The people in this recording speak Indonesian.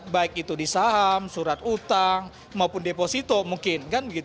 baik itu di saham surat utang maupun deposito mungkin